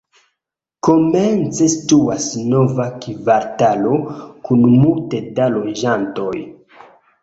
Komence situas nova kvartalo kun multe da loĝantoj.